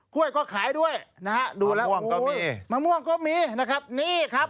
กล้วยก็ขายด้วยนะครับดูแล้วโอ้โหมะม่วงก็มีนะครับนี่ครับ